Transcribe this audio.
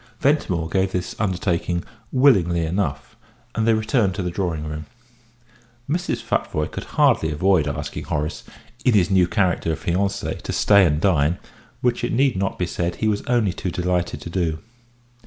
Ventimore gave this undertaking willingly enough, and they returned to the drawing room. Mrs. Futvoye could hardly avoid asking Horace, in his new character of fiancé, to stay and dine, which it need not be said he was only too delighted to do.